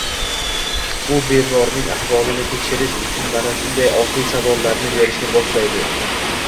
U bemorning ahvolini tekshirish uchun mana shunday oddiy savollarni berishni boshlaydi